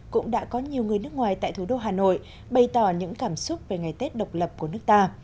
cũng đã có nhiều người nước ngoài tại thủ đô hà nội bày tỏ những cảm xúc về ngày tết độc lập của nước ta